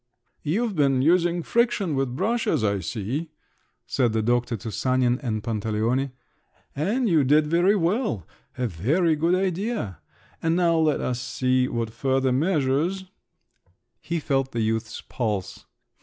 "You've been using friction with brushes, I see," said the doctor to Sanin and Pantaleone, "and you did very well…. A very good idea … and now let us see what further measures …" He felt the youth's pulse.